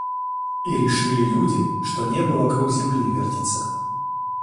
И решили люди, что небо вокруг земли вертится.